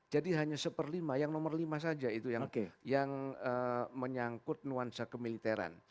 jadi hanya seperlima yang nomor lima saja itu yang menyangkut nuansa kemiliteran